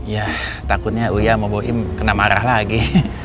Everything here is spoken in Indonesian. yah takutnya uya sama bu im kena marah lagi